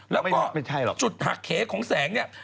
ไม่ใช่หรอกแล้วก็จุดหักเขของแสงเนี่ย